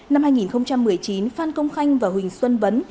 năm hai nghìn một mươi chín phan công khanh và huỳnh xuân vấn